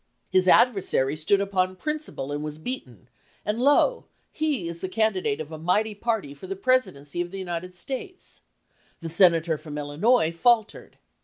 His 278 LAW IN THE DEBATE adversary stood upon principle and was beaten; and lo, he is the candidate of a mighty party for the Presidency of the United States. The sen ator from Illinois faltered.